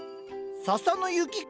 笹の雪か。